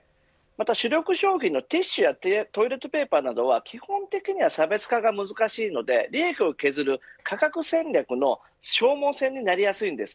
主力商品のティッシュやトイレットペーパーなどは基本的に差別化が難しいので利益を削る価格戦略の消耗戦になりやすいんです。